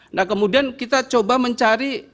nah kemudian kita coba mencari